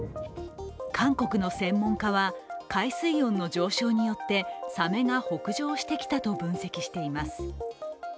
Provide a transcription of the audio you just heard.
韓国の専門家は、海水温の上昇によってサメが北上してきたと分析しています。